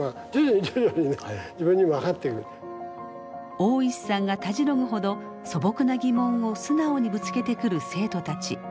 大石さんがたじろぐほど素朴な疑問を素直にぶつけてくる生徒たち。